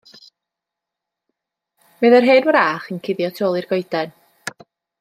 Mi oedd yr hen wrach yn cuddio tu ôl i'r goeden.